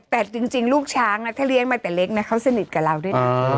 แต่จริงลูกช้างนะถ้าเลี้ยงมาแต่เล็กนะเขาสนิทกับเราด้วยนะ